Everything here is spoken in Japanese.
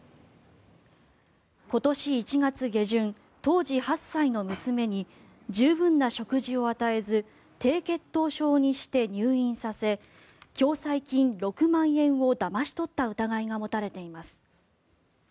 今年１月下旬、当時８歳の娘に十分な食事を与えず低血糖症にして入院させ共済金６万円をだまし取った疑いが持たれています。